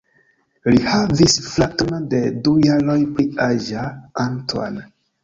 Li havis fraton de du jaroj pli aĝa, Antoine.